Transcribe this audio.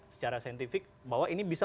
secara saintifik bahwa ini bisa